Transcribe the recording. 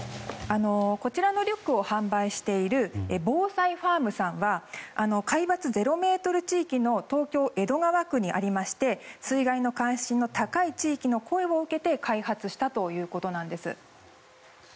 こちらのリュックを販売している防災ファームさんは海抜０ｍ地域の東京・江戸川区にありまして水害の関心の高い地域の声を受けて開発したということなんです。